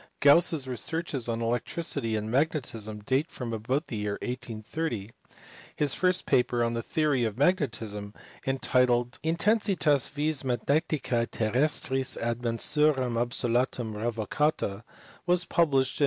Gauss s researches on electricity and magnetism date from about the year 1830. His first paper on the theory of magnetism, entitled Intensitas Vis Magneticae Terrestris ad Mensuram Absolutam Mevocata, was published in.